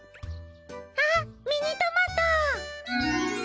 あっミニトマト。